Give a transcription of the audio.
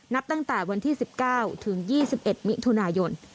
นับตั้งแต่วันที่๑๙ถึง๒๑มิถุนายน